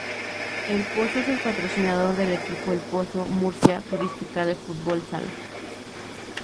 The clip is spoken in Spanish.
ElPozo es el patrocinador del equipo ElPozo Murcia Turística, de fútbol sala.